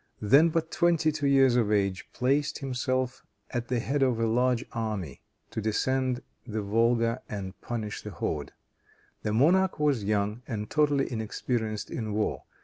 then but twenty two years of age, placed himself at the head of a large army to descend the Volga and punish the horde. The monarch was young and totally inexperienced in war.